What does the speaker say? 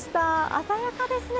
鮮やかですね！